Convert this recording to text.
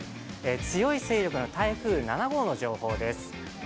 強い勢力の台風７号の情報です。